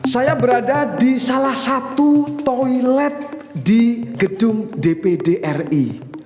saya berada di salah satu toilet di gedung dpd ri